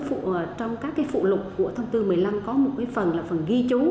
cho nên trong các cái phụ lục của thông tư một mươi năm có một phần là phần ghi chú